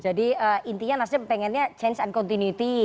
jadi intinya nasdem pengennya change and continuity